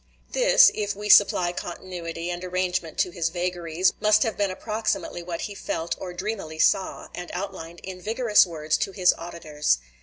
This, if we supply continuity and arrangement to his vagaries, must have been approximately what he felt or dreamily saw, and outlined in vigorous words to his auditors.